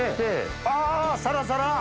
あぁサラサラ！